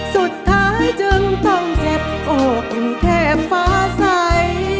สุดท้ายจึงต้องเจ็บโอ้คอย่างแค่ราฟ้าใส